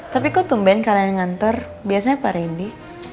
tapi kok tumben kalian nganter biasanya pak rendy